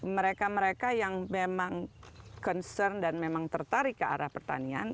mereka mereka yang memang concern dan memang tertarik ke arah pertanian